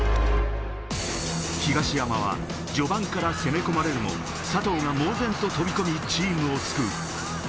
東山は序盤から攻め込まれるも、佐藤が猛然と飛び込み、チームを救う。